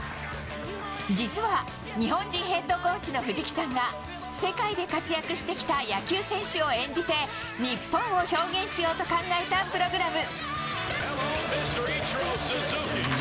実は日本人ヘッドコーチの藤木さんが世界で活躍してきた野球選手を演じて日本を表現しようと考えたプログラム。